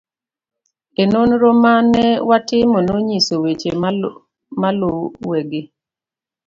e Nonro ma ne watimo nonyiso weche maluwegi